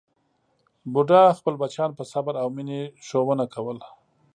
بوډا خپل بچیان په صبر او مینې ښوونه کول.